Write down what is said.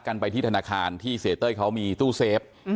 กันไปที่ธนาคารที่เสียเต้ยเขามีตู้เซฟ